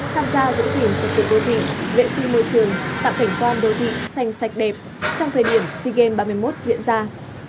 tham gia giữ thỉnh thực tục đối thị vệ sinh môi trường tạm cảnh con đối thị xanh sạch đẹp trong thời điểm sea game ba mươi một diễn ra